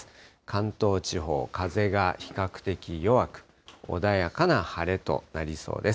関東地方、風が比較的弱く、穏やかな晴れとなりそうです。